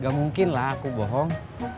gak mungkin lah aku bohong